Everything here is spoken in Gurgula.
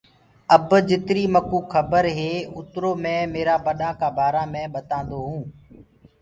اب جِترو مڪوُ کبر هي اُترو مي ميرآ ٻڏآ ڪآ بآرآ مي ٻتآنٚدو هوٚنٚ۔